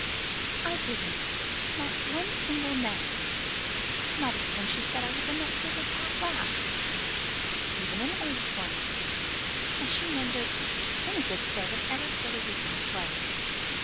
"I didn't not one single name not even when she said I was enough to make a cat laugh, even an old one and she wondered any good servant ever stayed a week in the place."